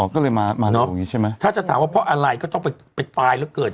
ก็เลยมาเนอะตรงนี้ใช่ไหมถ้าจะถามว่าเพราะอะไรก็ต้องไปตายแล้วเกิด